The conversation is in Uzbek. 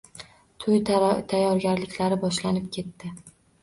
Toʻy tayyorgarliklari boshlanib ketdi.